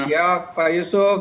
ya pak yusuf